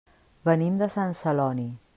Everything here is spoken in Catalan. Venim de Sant Celoni.